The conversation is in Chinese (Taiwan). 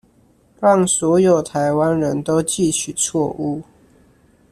讓所有臺灣人都記取錯誤